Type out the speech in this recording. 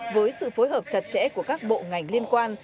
với sự phối hợp chặt chẽ của các bộ ngành liên quan